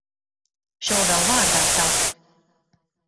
Šo vēl vārdā saukt!